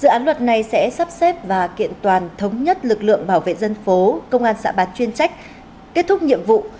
dự án luật này sẽ sắp xếp và kiện toàn thống nhất lực lượng bảo vệ dân phố công an xã bán chuyên trách kết thúc nhiệm vụ